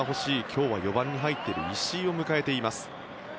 今日は４番に入っている石井を迎えています。